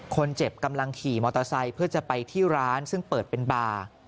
คนเจ็บกำลังขี่มอเตอร์ไซค์เพื่อจะไปที่ร้านซึ่งเปิดเป็นบาร์